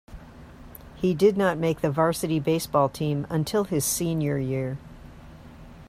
He did not make the varsity baseball team until his senior year.